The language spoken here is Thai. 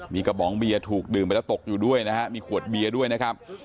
มีกระป๋องเบียร์ถูกดื่มไปแล้วตกอยู่ด้วยนะฮะมีขวดเบียร์ด้วยนะครับ